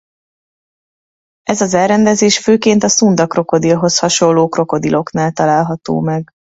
Ez az elrendezés főként a szunda-krokodilhoz hasonló krokodiloknál található meg.